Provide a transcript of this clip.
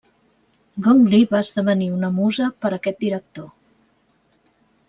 Gong Li va esdevenir una musa per aquest director.